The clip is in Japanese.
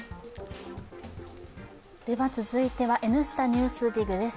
続いては「Ｎスタ・ＮＥＷＳＤＩＧ」です。